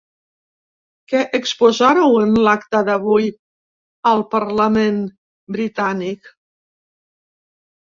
Què exposareu en l’acte d’avui al parlament britànic?